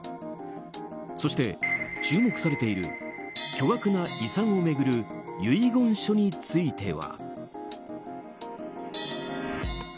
そして、注目されている巨額な遺産を巡る遺言書については。